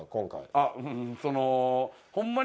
あっそのホンマに。